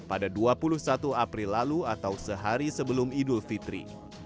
pada dua puluh satu april lalu atau sehari sebelum idul fitri